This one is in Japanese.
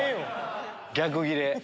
逆ギレ！